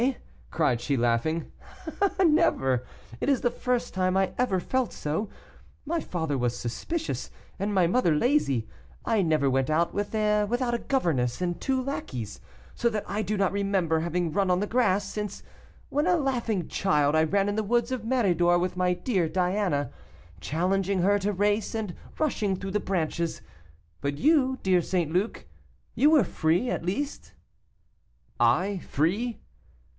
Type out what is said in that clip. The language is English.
cried she, laughing, "never; it is the first time I ever felt so. My father was suspicious, and my mother lazy. I never went out without a governess and two lackeys, so that I do not remember having run on the grass, since, when a laughing child, I ran in the woods of Méridor with my dear Diana, challenging her to race, and rushing through the branches. But you, dear St. Luc; you were free, at least?" "I, free?"